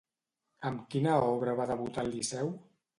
Amb quina obra va debutar al Liceu?